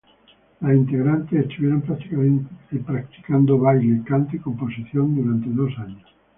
Las integrantes estuvieron practicando baile, canto y composición durante dos años.